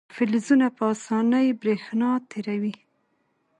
فلزونه په اسانۍ برېښنا تیروي.